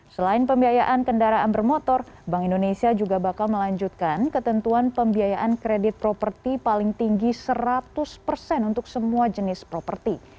selain pembiayaan kendaraan bermotor bank indonesia juga bakal melanjutkan ketentuan pembiayaan kredit properti paling tinggi seratus persen untuk semua jenis properti